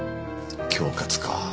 恐喝か。